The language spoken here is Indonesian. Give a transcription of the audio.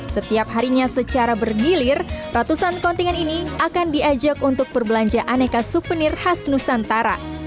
setiap harinya secara bergilir ratusan kontingen ini akan diajak untuk berbelanja aneka souvenir khas nusantara